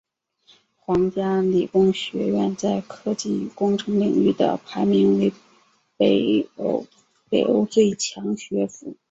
皇家理工学院在科技与工程领域的排名为北欧最强学府。